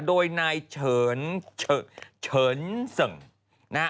โดยนายเฉินเฉินเสื่องนะฮะ